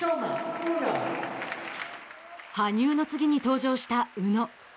羽生の次に登場した宇野。